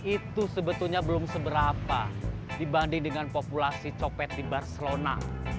itu sebetulnya belum seberapa dibanding dengan populasi copet di barcelona